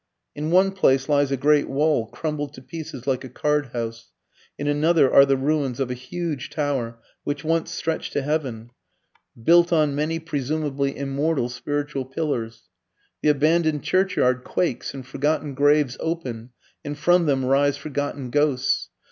In one place lies a great wall crumbled to pieces like a card house, in another are the ruins of a huge tower which once stretched to heaven, built on many presumably immortal spiritual pillars. The abandoned churchyard quakes and forgotten graves open and from them rise forgotten ghosts.